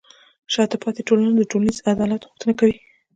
شاته پاتې ټولنه د ټولنیز عدالت غوښتنه کوي.